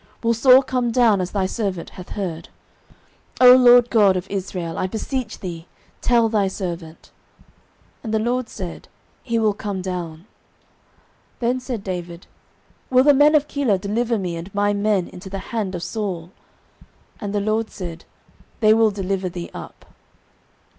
will Saul come down, as thy servant hath heard? O LORD God of Israel, I beseech thee, tell thy servant. And the LORD said, He will come down. 09:023:012 Then said David, Will the men of Keilah deliver me and my men into the hand of Saul? And the LORD said, They will deliver thee up.